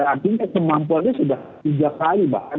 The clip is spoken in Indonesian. artinya kemampuannya sudah tiga kali bahkan